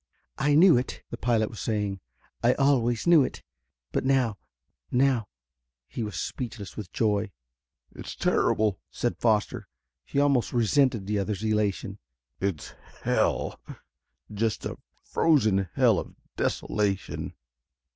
"I knew it," the pilot was saying. "I always knew it. But now now...." He was speechless with joy. "It's terrible!" said Foster. He almost resented the other's elation. "It's a hell! Just a frozen hell of desolation."